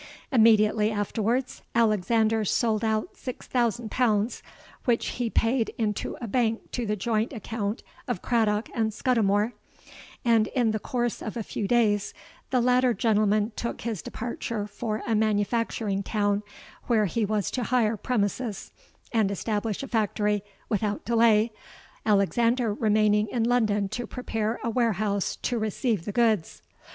Immediately afterwards, Alexander sold out six thousand pounds, which he paid into a bank to the joint account of Craddock and Scudimore; and in the course of a few days the latter gentleman took his departure for a manufacturing town, where he was to hire premises and establish a factory without delay, Alexander remaining in London to prepare a warehouse to receive the goods.